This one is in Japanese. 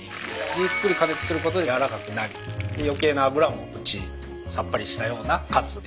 じっくり加熱することで軟らかくなり余計な油も落ちさっぱりしたようなカツ。